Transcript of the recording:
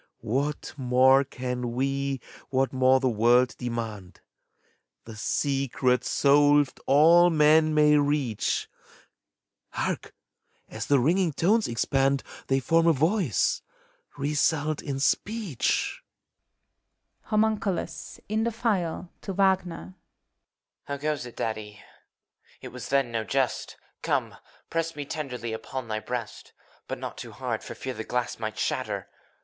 What more can we, what more the world demand? The secret, solved, all men may reach : Hark! as the ringing tones expand. They form a voice, result in speech. HOMUNCULUS (in the phial y to Wagner). How goes it. Daddy? It was then no jest! Come, press me tenderly upon thy breast ! But not too hard, for fear the glass might shatter!